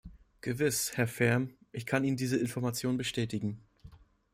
Gewiss, Herr Färm, ich kann Ihnen diese Informationen bestätigen.